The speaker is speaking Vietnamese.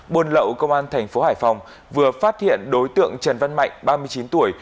buôn lậu công an thành phố hải phòng vừa phát hiện đối tượng trần văn mạnh ba mươi chín tuổi